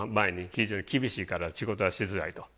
非常に厳しいから仕事はしづらいと。